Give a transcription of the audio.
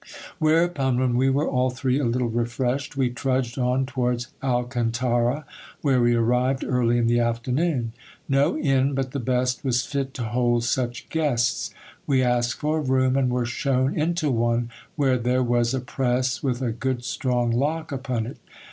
Whereupon, when we were all three a little refreshed, we trudged on towards Alcantara, where we arrived early in the afternoon. No inn but the best was fit to hold such guests. We asked for a room, and were shown into one where there was a press with a good strong lock upon it.